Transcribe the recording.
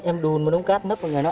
em đùn một đống cát nấp vào người đó